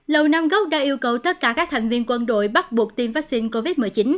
lầu nam góc đã yêu cầu tất cả các thành viên quân đội bắt buộc tiêm vaccine covid một mươi chín